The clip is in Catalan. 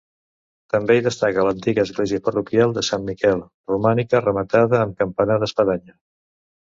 També hi destaca l'antiga església parroquial de Sant Miquel, romànica, rematada amb un campanar d'espadanya.